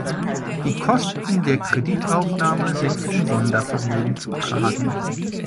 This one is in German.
Die Kosten der Kreditaufnahme sind vom Sondervermögen zu tragen.